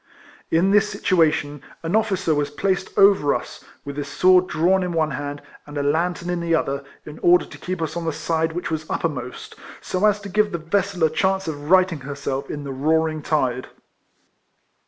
In this situation an officer was placed over us, with his sword drawn in one hand, and a lantern in the other, in order to keep us on the side which was upper EIFLEMAN HARRIS. 235 most, so as to give the vessel a chance of righting herself in the roaring tide.